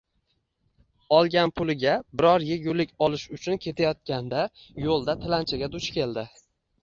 Olgan puliga biror egulik olish uchun ketayotganda yo`lda tilanchiga duch keldi